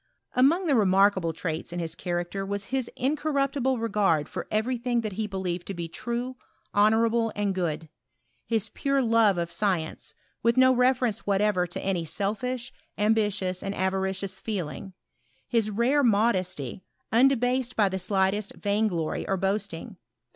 Among the remarkable traits in his character was his incorruptible regard for every thing that he be lieved to be true, honourable, and good ; his pure love of science, with no reference whatever to any sdfish, ambitious, and avaricious feeling ; his rare modesty, undebased by the slightest vainglory or boasting.